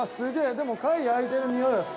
でも貝焼いてるにおいはするわ。